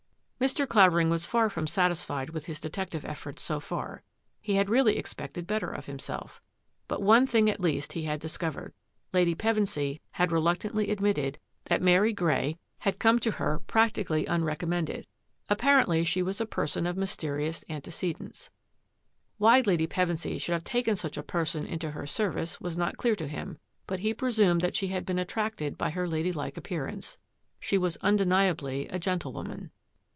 Mr. Clavering was far from satisfied with his detective efforts so far. He had really expected better of himself. But one thing at least he had discovered. Lady Pevensy had reluctantly €ui mitted that Mary Grey had come to her practi i MR. ROBERT SYLVESTER 43 cally unrecommended. Apparently she was a person of mysterious antecedents. Why Lady Pevensy should have taken such a person into her service was not clear to him, but he presumed that she had been attracted by her ladylike ap pearance. She was undeniably a gentlewoman.